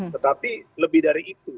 tetapi lebih dari itu